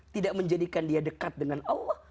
tidak menjadikan dia dekat dengan allah